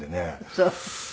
そう。